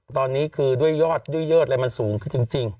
ตอนนี้คือด้วยยอดด้วยเยือดเลยมันสูงจริง